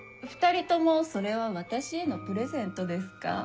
２人ともそれは私へのプレゼントですか？